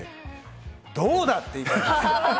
どうだ！っていう。